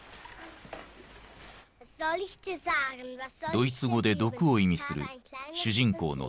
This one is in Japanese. ドイツ語で「毒」を意味する主人公のトキシー。